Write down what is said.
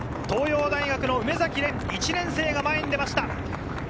東洋大学の梅崎蓮・１年生が前に出ました。